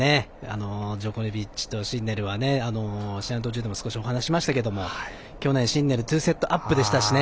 ジョコビッチとシンネルは試合の途中でも少しお話ししましたが去年、シンネル２セットアップでしたし